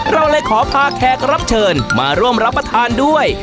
เราเลยขอพาแขกรับเชิญมาร่วมรับประทานด้วย